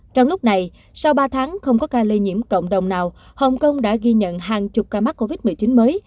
trong lúc này sau ba tháng không có ca lây nhiễm cộng đồng nào hồng kông đã ghi nhận hàng chục ca mắc covid một mươi chín mới